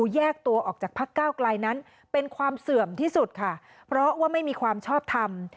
แยกตัวออกจากพักเก้าไกลนั้นเป็นความเสื่อมที่สุดค่ะเพราะว่าไม่มีความชอบทำ